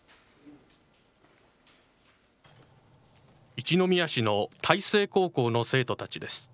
一宮市の大成高校の生徒たちです。